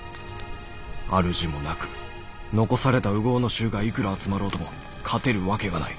主もなく残された烏合の衆がいくら集まろうとも勝てるわけがない。